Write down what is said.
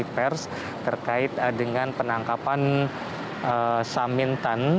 pers terkait dengan penangkapan samintan